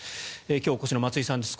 今日お越しの松井さんです。